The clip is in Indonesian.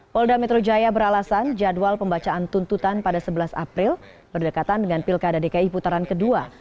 polda metro jaya beralasan jadwal pembacaan tuntutan pada sebelas april berdekatan dengan pilkada dki putaran kedua